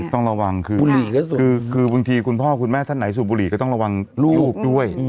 ต้องระวังคือบางทีคุณพ่อคุณแม่ท่านไหนสูบบุหรี่ก็ต้องระวังลูกด้วย